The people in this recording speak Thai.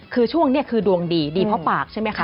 คือช่วงนี้คือดวงดีดีเพราะปากใช่ไหมคะ